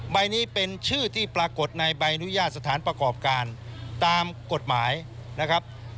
ใบนี้เป็นชื่อที่ปรากฏในใบอนุญาตสถานประกอบการตามกฎหมายนะครับ